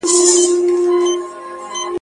موږ څنګه باور پيدا کړو؟